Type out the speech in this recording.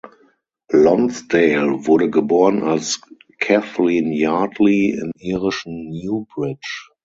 Lonsdale wurde geboren als Kathleen Yardley im irischen Newbridge.